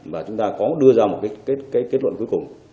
và chúng ta có đưa ra một cái kết luận cuối cùng